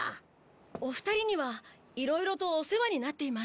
お二人にはいろいろとお世話になっています。